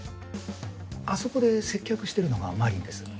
あそこで接客してるのが愛鈴です。